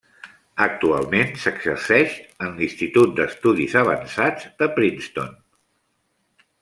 Actualment s'exerceix en l'Institut d'Estudis Avançats de Princeton.